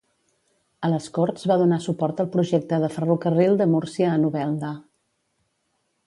A les corts va donar suport al projecte de Ferrocarril de Múrcia a Novelda.